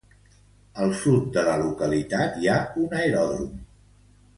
Al sud de la localitat hi ha un aeròdrom.